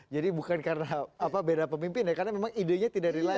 jadi bukan karena apa beda pemimpin ya karena memang idenya tidak reliable